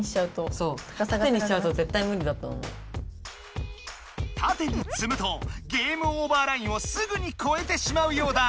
あとたてにつむとゲームオーバーラインをすぐにこえてしまうようだ。